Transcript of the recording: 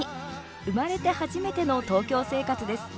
生まれて初めての東京生活です。